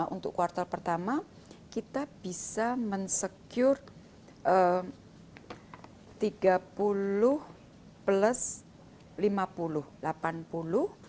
untuk kuartal pertama kita bisa mensecure tiga puluh plus lima puluh